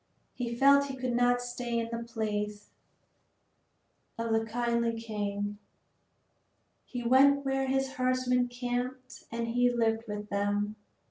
He felt he could not stay in the palace of the kindly king. He went where his herdsmen camped and he lived with them.